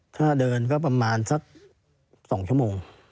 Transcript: ถ้าเดินก็ประมาณสัก๒ชั่วโมง